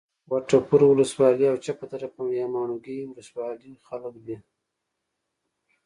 وټپور ولسوالي او چپه دره یا ماڼوګي ولسوالۍ خلک